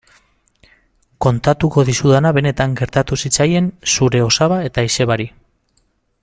Kontatuko dizudana benetan gertatu zitzaien zure osaba eta izebari.